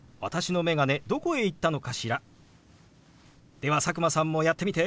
では佐久間さんもやってみて！